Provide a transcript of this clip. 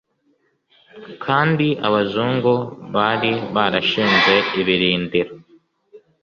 kandi abazungu bari barashinze ibirindiro